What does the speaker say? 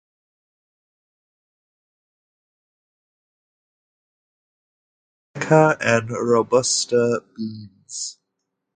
Espresso typically is made from a blend of arabica and robusta beans.